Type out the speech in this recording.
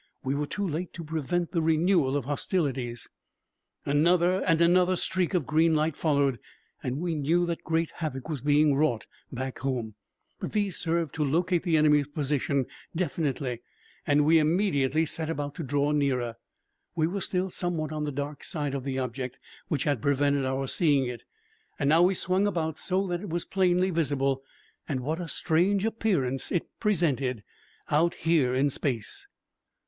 We were too late to prevent the renewal of hostilities! Another and another streak of green light followed and we knew that great havoc was being wrought back home. But these served to locate the enemy's position definitely and we immediately set about to draw nearer. We were still somewhat on the dark side of the object, which had prevented our seeing it. Now we swung about so that it was plainly visible. And, what a strange appearance it presented, out here in space!